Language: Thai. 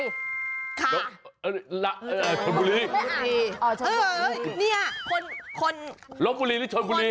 ลบบุรีอ่อชนบุรีเออเออเนี่ยคนคนลบบุรีหรือชนบุรี